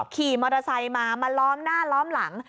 ขี่มอเตอร์ไซค์มามาล้อมหน้าล้อมหลัง